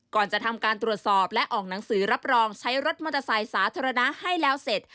ก่อนจะทำการตรวจสอบและออกหนังสือรับรองใช้รถมอเตอร์ไซค์สาธารณะให้แล้วเสร็จ